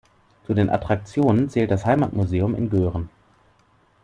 Zu den Attraktionen zählt das Heimatmuseum in Göhren.